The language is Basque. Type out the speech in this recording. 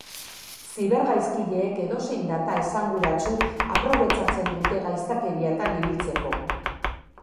Zibergaizkileek edozein data esanguratsu aprobetxatzen dute gaiztakeriatan ibiltzeko.